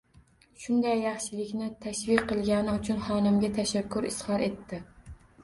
Shunday yaxshilikni tashviq qilgani uchun xonimiga tashakkur izhor etdi.